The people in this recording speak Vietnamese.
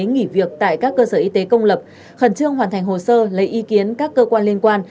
nghỉ việc tại các cơ sở y tế công lập khẩn trương hoàn thành hồ sơ lấy ý kiến các cơ quan liên quan